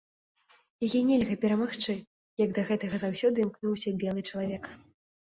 Яе нельга перамагчы, як да гэтага заўсёды імкнуўся белы чалавек.